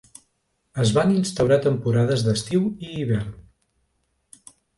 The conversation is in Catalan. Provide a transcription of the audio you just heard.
Es van instaurar temporades d'estiu i hivern.